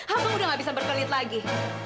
abang udah gak bisa berkelit lagi